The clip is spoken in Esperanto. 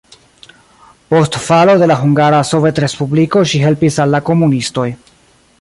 Post falo de la hungara sovetrespubliko ŝi helpis al la komunistoj.